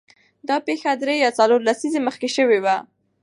دا پېښه درې یا څلور لسیزې مخکې شوې وه.